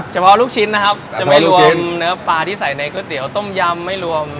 เฉพาะลูกชิ้นนะครับจะไม่รวมเนื้อปลาที่ใส่ในก๋วยเตี๋ยวต้มยำไม่รวม